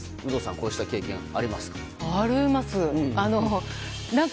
こうした経験はありますか？